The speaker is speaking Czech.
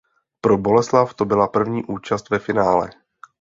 Pro Boleslav to byla první účast ve finále.